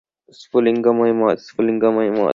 স্ফুলিঙ্গময় মদ, স্ফুলিঙ্গময় মদ।